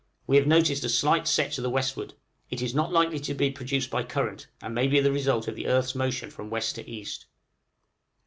We have noticed a slight set to the westward it is not likely to be produced by current, and may be the result of the earth's motion from west to east.